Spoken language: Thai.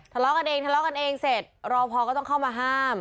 ทะเลาะกันเองทะเลาะกันเองเสร็จรอพอก็ต้องเข้ามาห้าม